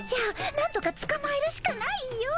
なんとかつかまえるしかないよ。